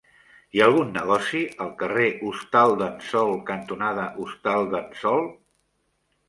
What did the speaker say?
Hi ha algun negoci al carrer Hostal d'en Sol cantonada Hostal d'en Sol?